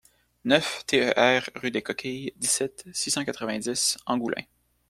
neuf TER rue des Coquilles, dix-sept, six cent quatre-vingt-dix, Angoulins